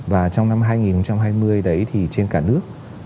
và trong năm hai nghìn hai mươi đấy thì trên cả nước